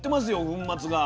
粉末が。